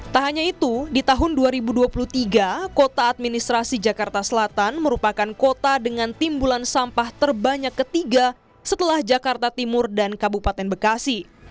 tak hanya itu di tahun dua ribu dua puluh tiga kota administrasi jakarta selatan merupakan kota dengan timbulan sampah terbanyak ketiga setelah jakarta timur dan kabupaten bekasi